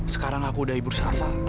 sekarang aku udah ibur sava